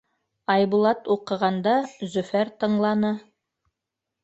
Айбулат уҡығанда, Зөфәр тыңланы.